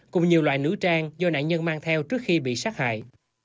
cùng nhiều loại nữ trang do nạn nhân mang theo trước khi bị sát hại